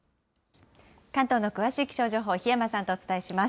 関東の詳しい気象情報、檜山さんとお伝えします。